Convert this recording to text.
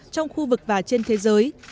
trong khu vực và trên thế giới